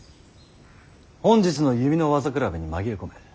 本日の弓の技競べに紛れ込め。